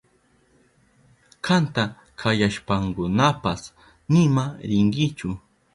Kanta kayashpankunapas nima rinkichu.